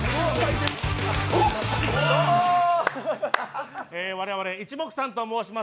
どうも、我々、いち・もく・さんと申します。